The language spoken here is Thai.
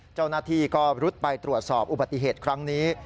เจ้าหน้าที่ก็รุดไปตรวจสอบอุบัติเหตุครั้งนี้